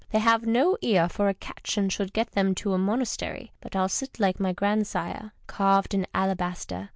They have no ear for a catch and should get them to a monastery. But I'll sit like my grandsire, carved in alabaster.